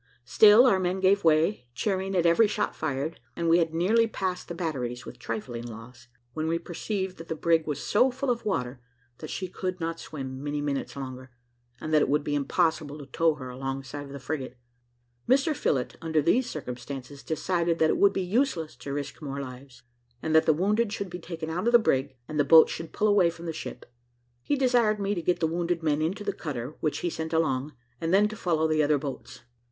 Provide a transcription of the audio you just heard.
Still our men gave way, cheering at every shot fired, and we had nearly passed the batteries, with trifling loss, when we perceived that the brig was so full of water, that she could not swim many minutes longer, and that it would be impossible to tow her alongside of the frigate. Mr Phillott, under these circumstances, decided that it would be useless to risk more lives, and that the wounded should be taken out of the brig, and the boats should pull away from the ship. He desired me to get the wounded men into the cutter which he sent alongside, and then to follow the other boats.